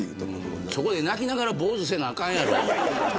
そこで、泣きながら坊主せなあかんやろ。